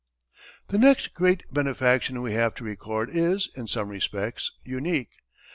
The next great benefaction we have to record is, in some respects, unique.